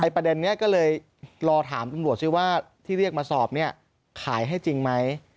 ประเด็นนี้ก็เลยรอถามตำรวจซิว่าที่เรียกมาสอบเนี่ยขายให้จริงไหม